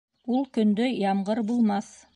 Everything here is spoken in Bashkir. Ул көндө ямғыр булмаҫ.